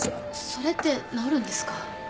それって治るんですか？